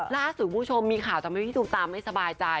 ล่าสุดคุณผู้ชมมีข่าวทำให้พี่ตูมตามไม่สบายใจ